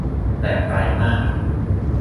แบบไกลมาก